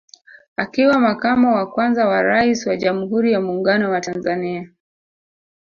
Akiwa Makamo wa kwanza wa Rais wa Jamhuri ya Muungano wa Tanzania